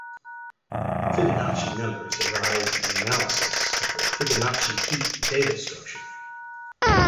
Fibonacci numbers arise in the analysis of the Fibonacci heap data structure.